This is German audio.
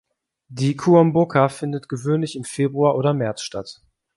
Die Kuomboka findet gewöhnlich im Februar oder März statt.